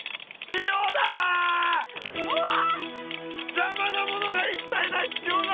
邪魔なものが一切ない塩だ！